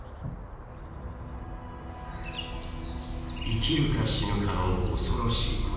生きるか死ぬかの恐ろしい恋。